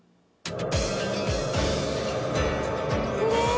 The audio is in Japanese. きれい！